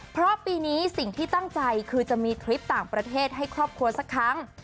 เพราะปีนี้สิ่งที่ตั้งใจคือจะมีทริปต่างประเทศให้ครอบครัวสักครั้ง